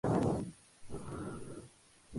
Sandra Molina Bermúdez.